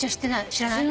知らない？